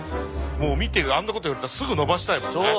もう見てあんなこと言われたらすぐのばしたいもんね。